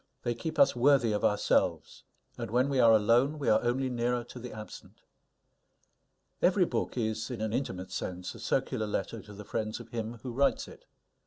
They keep us worthy of ourselves; and when we are alone, we are only nearer to the absent. Every book is, in an intimate sense, a circular letter to the friends of him who writes it.